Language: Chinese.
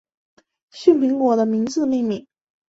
旭苹果的名字命名。